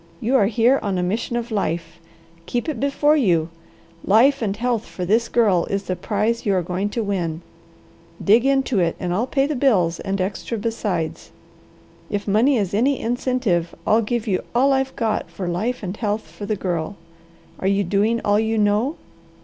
You are here on a mission of life. Keep it before you! Life and health for this Girl is the prize you are going to win. Dig into it, and I'll pay the bills, and extra besides. If money is any incentive, I'll give you all I've got for life and health for the Girl. Are you doing all you know?"